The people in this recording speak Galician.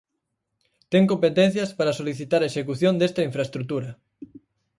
Ten competencias para solicitar a execución desta infraestrutura.